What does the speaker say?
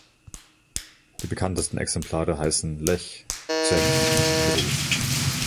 Die bekanntesten Exemplare heißen "Lech", "Czech" und "Rus".